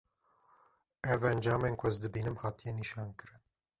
ev encamên ku ez dibînim hatiye nîşankirin;